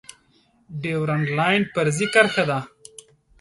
ډیورنډ لاین فرضي کرښه ده